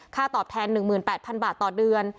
ตอบแทน๑๘๐๐๐บาทต่อเดือน